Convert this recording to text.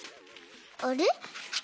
あれ？